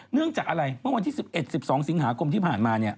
เรื่องจากอะไรเมื่อวันที่๑๑๑๒สิงหาคมที่ผ่านมา